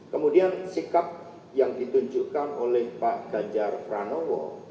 kemudian sikap yang ditunjukkan oleh pak ganjar pranowo